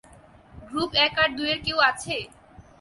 Group এক আর দুইয়ের কেউ আছে?